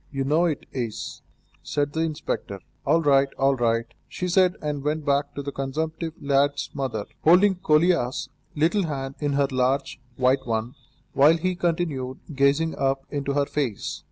You know it is," said the inspector. "All right, all right," she said, and went back to the consumptive lad's mother, holding Kolia's little hand in her large, white one, while he continued gazing up into her face.